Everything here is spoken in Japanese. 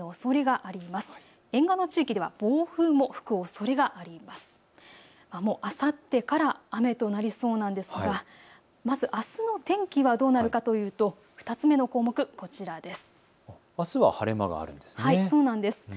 あさってから雨となりそうなんですがまず、あすの天気はどうなるのかというと２つ目の項目こちらです。